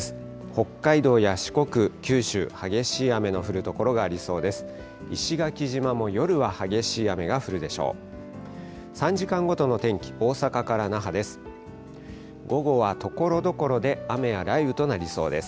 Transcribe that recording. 北海道や四国、九州、激しい雨の降る所がありそうです。